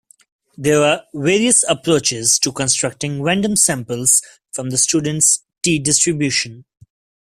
There are various approaches to constructing random samples from the Student's "t"-distribution.